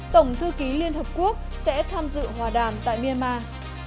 tổng thư ký liên hợp quốc sẽ tham dự hòa đàm tại myanmar